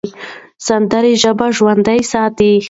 سندرې ژبه ژوندۍ ساتي.